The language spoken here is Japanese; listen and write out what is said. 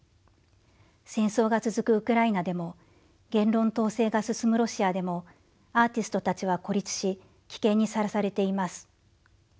戦争が続くウクライナでも言論統制が進むロシアでもアーティストたちは孤立し危険にさらされています。